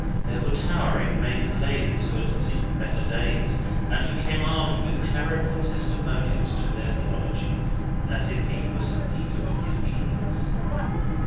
There were towering maiden ladies who had seen better days, and who came armed with clerical testimonials to their theology, as if he were Saint Peter with his keys.